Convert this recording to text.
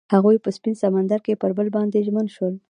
هغوی په سپین سمندر کې پر بل باندې ژمن شول.